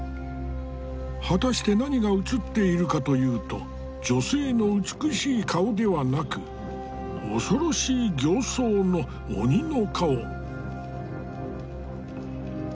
果たして何が映っているかというと女性の美しい顔ではなく恐ろしい形相の鬼の顔。